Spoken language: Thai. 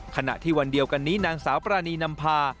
ขณะที่วันเดียวกันนี้นางสาวปรานีนำพา